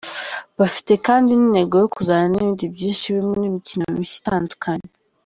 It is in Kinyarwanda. Bafite kandi n’intego yo kuzana n’ibindi byinshi birimo n’imikino mishya itandukanye.